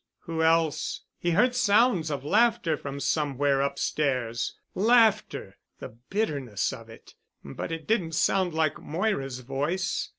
Who else? He heard sounds of laughter from somewhere upstairs. Laughter! The bitterness of it! But it didn't sound like Moira's voice.